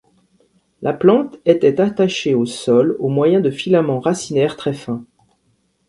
La plante était attachée au sol au moyen de filaments racinaires très fins.